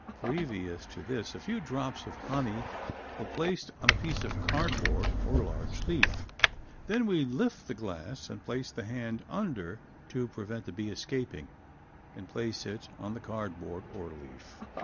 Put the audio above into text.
Previous to this a few drops of the honey were placed on a piece of cardboard or large leaf. Then we lift the glass and place the hand under to prevent the bee escaping and place it on the cardboard or leaf.